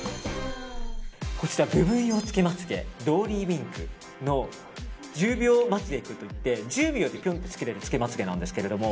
こちら部分用つけまつ毛ドーリーウインクの１０秒マツエクといって１０秒でつけれるつけまつ毛なんですけど。